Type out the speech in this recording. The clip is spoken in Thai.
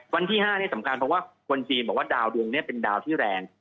วันที่๕สำคัญว่าคนจีนบอกว่าดาวดวงเป็นดาวที่แรง